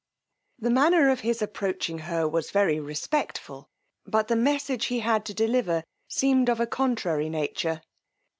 The manner of his approaching her was very respectful; but the message he had to deliver seemed of a contrary nature.